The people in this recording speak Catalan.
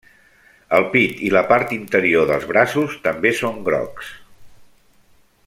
El pit i la part interior dels braços també són grocs.